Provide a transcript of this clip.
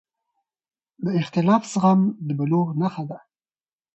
د اختلاف زغم د بلوغ نښه ده